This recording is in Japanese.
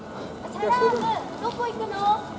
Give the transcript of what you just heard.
サラームどこ行くの？